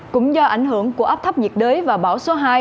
cũng do ảnh hưởng của áp thấp nhiệt đới và bão số hai